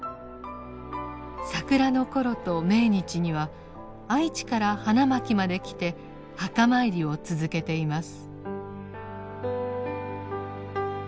桜の頃と命日には愛知から花巻まで来て墓参りを続けています。